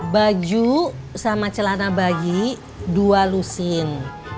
baju sama celana bagi dua lusin